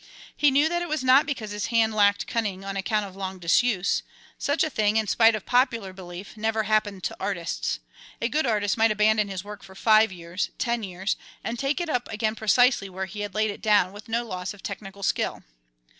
He knew that it was not because his hand lacked cunning on account of long disuse; such a thing, in spite of popular belief, never happened to artists a good artist might abandon his work for five years, ten years and take it up again precisely where he had laid it down with no loss of technical skill.